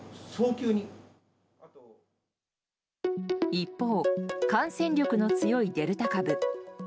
一方、感染力の強いデルタ株。